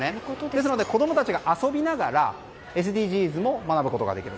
ですので、子供たちが遊びながらＳＤＧｓを学ぶこともできる。